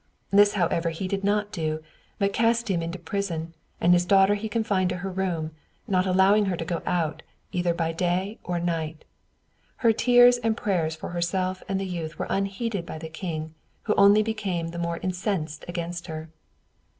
This, however, he did not do, but cast him into prison, and his daughter he confined to her room, not allowing her to go out, either by day or night. Her tears and prayers for herself and the youth were unheeded by the king, who only became the more incensed against her.